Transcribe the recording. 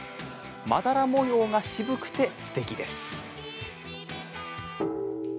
まだら模様が渋くてすてきですね。